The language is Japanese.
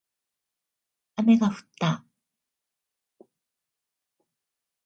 雨が降った